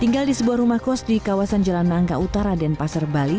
tinggal di sebuah rumah kos di kawasan jalan nangka utara dan pasar bali